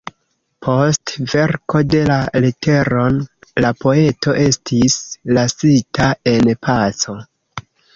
Post verko de la leteron, la poeto estis lasita en paco.